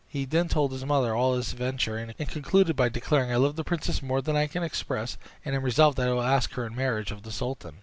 He then told his mother all his adventure, and concluded by declaring, "I love the princess more than I can express, and am resolved that I will ask her in marriage of the sultan."